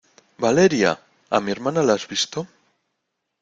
¡ Valeria! ¿ a mi hermana la has visto?